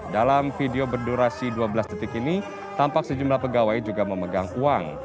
dalam video berdurasi dua belas detik ini tampak sejumlah pegawai juga memegang uang